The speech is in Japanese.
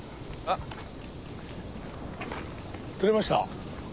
釣れました？